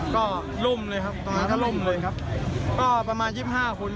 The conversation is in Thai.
ก็ลุ่มเลยครับตรงนี้ก็ลุ่มเลยครับประมาณ๒๕คนครับ